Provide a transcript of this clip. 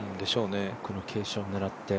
この傾斜を狙って。